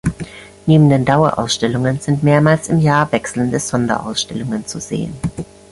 Neben den Dauerausstellungen sind mehrmals im Jahr wechselnde Sonderausstellungen zu sehen.